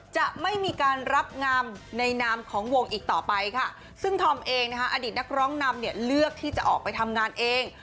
จะไม่มีการรับงามในนามของวงอีกต่อไปค่ะซึ่งธอมเองนะคะอดีตนักร้องนำเนี่ยเลือกที่จะออกไปทำงานเอง